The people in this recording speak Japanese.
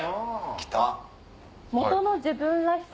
来た！